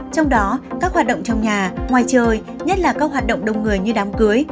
trong đó các hoạt động trong nhà ngoài trời nhất là các hoạt động đông người như đám cưới